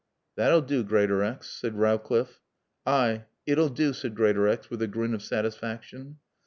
"That'll do, Greatorex," said Rowcliffe. "Ay. It'll do," said Greatorex with a grin of satisfaction.